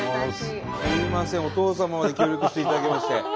すいませんお父様まで協力していただきまして。